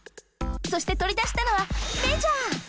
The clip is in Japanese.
そしてとりだしたのはメジャー！